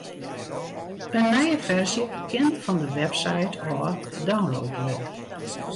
In nije ferzje kin fan de webside ôf download wurde.